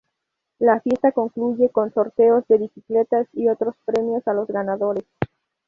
La fiesta concluye con sorteos de bicicletas y otros premios a los ganadores.